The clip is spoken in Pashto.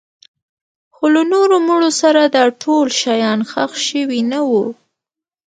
خو له نورو مړو سره دا ډول شیان ښخ شوي نه وو